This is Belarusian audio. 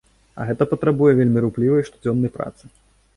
А гэта патрабуе вельмі руплівай і штодзённай працы.